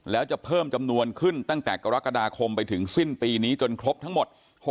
แล้วจะเพิ่มจำนวนขึ้นตั้งแต่กรกฎาคมไปถึงสิ้นปีนี้จนครบทั้งหมด